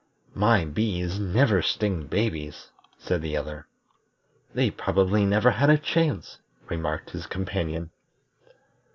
"My bees never sting babies," said the other. "They probably never had a chance," remarked his companion.